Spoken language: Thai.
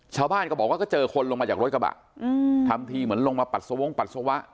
ชาวบ้านก็บอกว่าก็เจอคนลงมาจากรถกระบะอืมทำทีเหมือนลงมาปัสสาวงปัสสาวะ